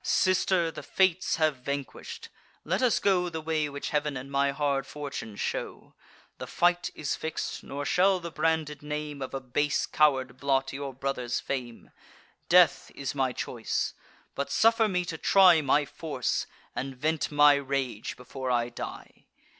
"Sister, the Fates have vanquish'd: let us go The way which Heav'n and my hard fortune show. The fight is fix'd; nor shall the branded name Of a base coward blot your brother's fame. Death is my choice; but suffer me to try My force, and vent my rage before I die."